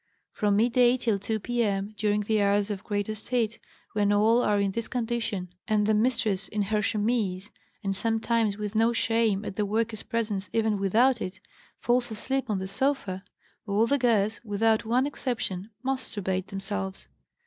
From midday till 2 P.M., during the hours of greatest heat, when all are in this condition, and the mistress, in her chemise (and sometimes, with no shame at the workers' presence, even without it), falls asleep on the sofa, all the girls, without one exception, masturbate themselves.